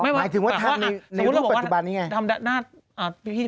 หมายถึงว่าทำในรูปปัจจุบันนี้ไง